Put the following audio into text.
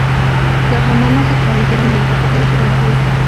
Los romanos se establecieron allí por su clima y su orografía.